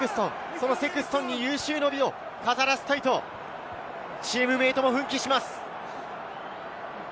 そのセクストンに有終の美を飾らせたいとチームメートも奮起します。